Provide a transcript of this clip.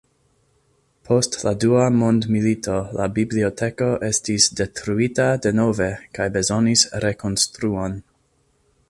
Post la Dua mondmilito, la biblioteko estis detruita denove kaj bezonis rekonstruon.